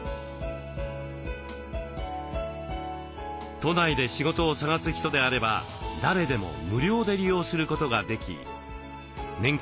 都内で仕事を探す人であれば誰でも無料で利用することができ年間